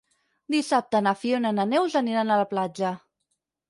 Dissabte na Fiona i na Neus aniran a la platja.